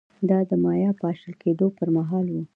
دا د مایا پاشل کېدو پرمهال و